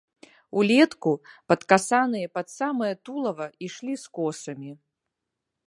Улетку, падкасаныя пад самае тулава, ішлі з косамі.